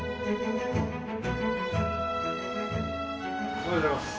おはようございます。